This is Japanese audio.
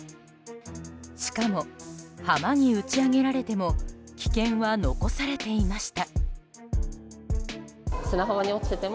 しかも、浜に打ち揚げられても危険は残されていました。